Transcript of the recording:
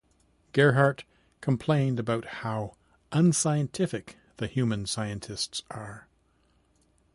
Gerhart complained about how unscientific the human scientists are.